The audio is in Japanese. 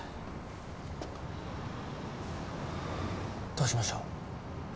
どうしましょう？